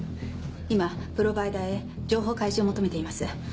今プロバイダーへ情報開示を求めています。